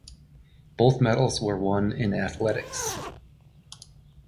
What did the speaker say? Both medals were won in athletics.